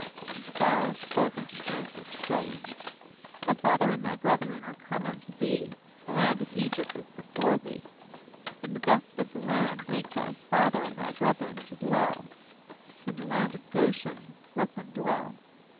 6And Pharaoh spoke unjfco Joseph, saying: 'Thy father and thy brethren are come unto thee; B6the land of Egypt is before thee; in the best of the land make thy father and thy brethren to dwell; in the land of Goshen let them dwell.